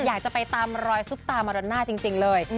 อยากจะไปตามรอยซุปตามาโดน่าจริงเลย